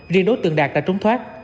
riêng đối tượng đạt đã trốn thoát